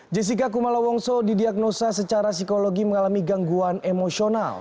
jessica kumala wongso didiagnosa secara psikologi mengalami gangguan emosional